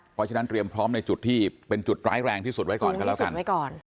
เพราะฉะนั้นเตรียมพร้อมในจุดที่เป็นจุดร้ายแรงที่สุดไว้ก่อน